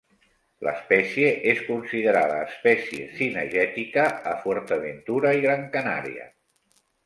L'espècie és considerada espècie cinegètica a Fuerteventura i Gran Canària.